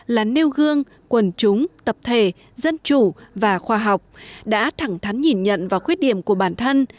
là nêu gương quần chúng tập thể dân chủ và khoa học đã thẳng thắn nhìn nhận vào khuyết điểm của bản thân